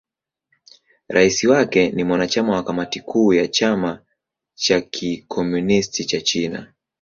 Rais wake ni mwanachama wa Kamati Kuu ya Chama cha Kikomunisti cha China.